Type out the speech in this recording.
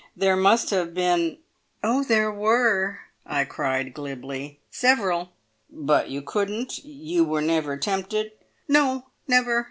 There must have been " "Oh, there were!" I cried glibly. "Several!" "But you couldn't You were never tempted?" "No, never.